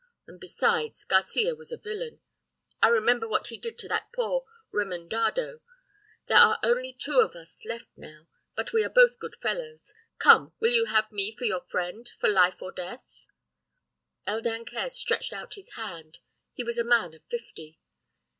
And besides, Garcia was a villain. I remember what he did to that poor Remendado. There are only two of us left now, but we are both good fellows. Come, will you have me for your friend, for life or death?' "El Dancaire stretched out his hand. He was a man of fifty.